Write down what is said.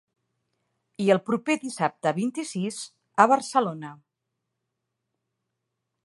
I el proper dissabte vint-i-sis a Barcelona.